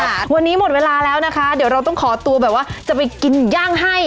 วันนี้หมดเวลาแล้วนะคะเดี๋ยวเราต้องขอตัวแบบว่าจะไปกินย่างให้